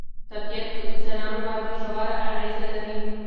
طبیعت په انسانانو باندې ژوره اغېزه لري.